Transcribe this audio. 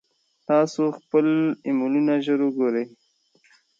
تاسو باید خپل ایمیلونه ژر وګورئ.